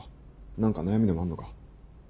何か悩みでもあるのか？